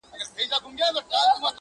o د خپل ښايسته خيال پر رنگينه پاڼه.